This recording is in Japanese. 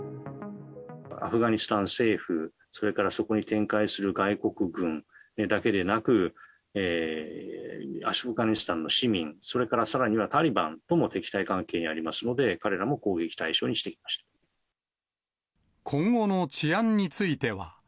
アフガニスタン政府、それからそこに展開する外国軍だけでなく、アフガニスタンの市民、それからさらにはタリバンとの敵対関係にありますので、今後の治安については。